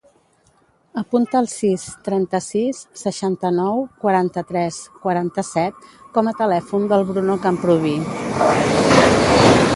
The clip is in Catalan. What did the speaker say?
Apunta el sis, trenta-sis, seixanta-nou, quaranta-tres, quaranta-set com a telèfon del Bruno Camprubi.